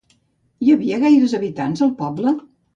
Hi havia gaires habitants al poble?